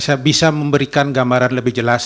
saya bisa memberikan gambaran lebih jelas